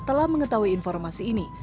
telah mengetahui informasi ini